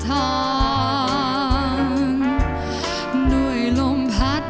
โปรดติดตามต่อไป